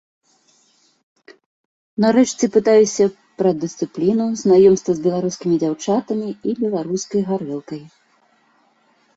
Нарэшце прытаюся пра дысцыпліну, знаёмства з беларускімі дзяўчатамі і беларускай гарэлкай.